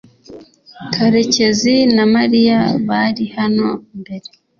karekezi na mariya bari hano mbere